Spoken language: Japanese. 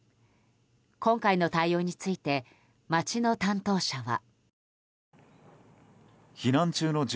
今回の対応について町の担当者は。